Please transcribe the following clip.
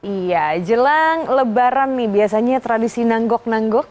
iya jelang lebaran nih biasanya tradisi nanggok nanggok